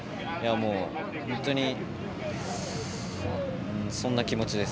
本当にそんな気持ちです。